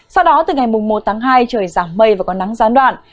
sau đó từ ngày một tháng hai trời giảm mây và có nắng gián đoạn